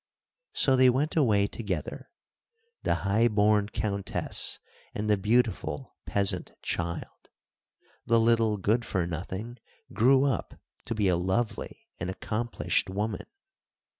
So they went away together, the high born Countess and the beautiful peasant child. The little Good for Nothing grew up to be a lovely and accomplished woman.